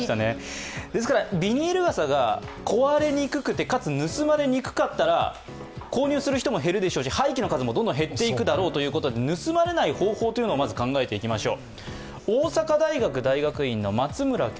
ビニール傘が壊れにくくて、かつ盗まれにくかったら購入する人も減るでしょうし廃棄する人も減るでしょうということで盗まれない方法というのを考えていきましょう。